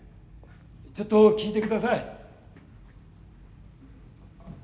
ちょっと聞いてください。